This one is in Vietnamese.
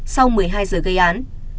sau một mươi hai giờ gây án